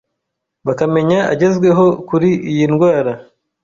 bakamenya agezweho kuri iyi ndwara